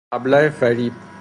ابله فریب